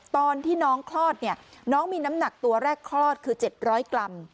ตอนที่น้องคลอดเนี่ยน้องมีน้ำหนักตัวแรกคลอดคือ๗๐๐กรัม